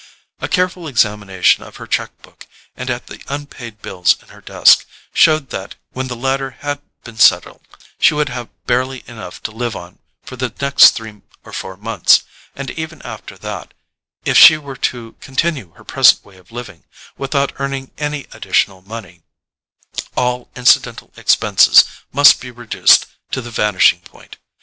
A careful examination of her cheque book, and of the unpaid bills in her desk, showed that, when the latter had been settled, she would have barely enough to live on for the next three or four months; and even after that, if she were to continue her present way of living, without earning any additional money, all incidental expenses must be reduced to the vanishing point.